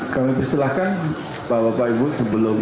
kami persilahkan bapak bapak ibu sebelum